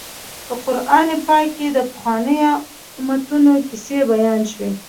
په قران پاک کې د پخوانیو امتونو کیسې بیان شوي.